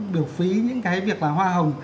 biểu phí những cái việc là hoa hồng